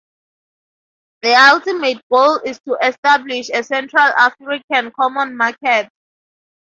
The ultimate goal is to establish a Central African Common Market.